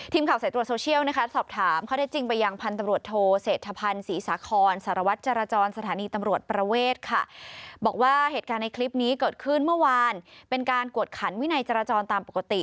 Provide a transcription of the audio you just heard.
ทีมข่าวสายตรวจโซเชียลสอบถาม